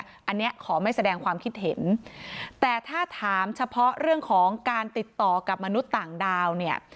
อันนี้ขอไม่แสดงความคิดเห็นแต่ถ้าถามเฉพาะเรื่องของการติดต่อกับมนุษย์ต่างดาวเนี่ย